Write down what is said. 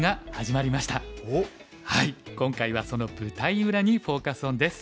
今回はその舞台裏にフォーカス・オンです。